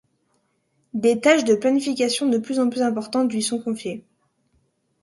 Des taches de planification de plus en plus importantes lui sont confiées.